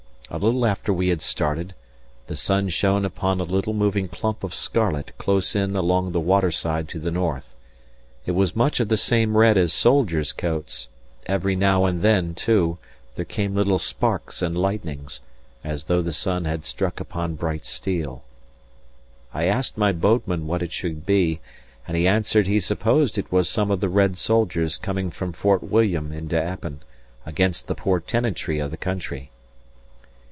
A little after we had started, the sun shone upon a little moving clump of scarlet close in along the water side to the north. It was much of the same red as soldiers' coats; every now and then, too, there came little sparks and lightnings, as though the sun had struck upon bright steel. I asked my boatman what it should be, and he answered he supposed it was some of the red soldiers coming from Fort William into Appin, against the poor tenantry of the country.